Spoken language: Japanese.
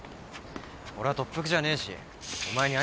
俺は特服じゃねえしお前にアニキって。